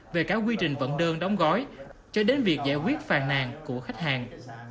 về cả quy trình vận đơn đóng gói cho đến việc giải quyết phàn nàn của khách hàng